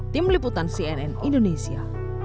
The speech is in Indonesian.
tim liputan cnn indonesia